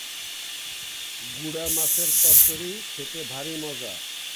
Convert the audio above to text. কলকাতার রিপন কলেজের দর্শনের অধ্যাপক মিঃ বিপিন বিহারী দে প্রথম অধ্যক্ষের দায়িত্ব নেন।